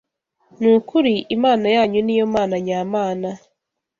Ni ukuri Imana yanyu ni yo Mana nyamana,